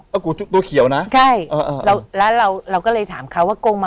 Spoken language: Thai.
เป็นตัวเขียวนะ